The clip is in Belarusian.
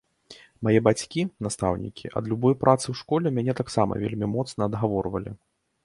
Мае бацькі, настаўнікі, ад любой працы ў школе мяне таксама вельмі моцна адгаворвалі.